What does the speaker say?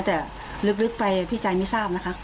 แต่ลึกไปพี่ใจไม่ทราบนะคะ